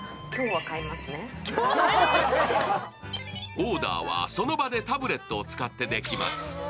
オーダーはその場でタブレットを使ってできます。